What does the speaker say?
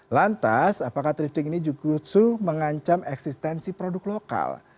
lantas apakah thrifting ini justru mengancam eksistensi produk lokal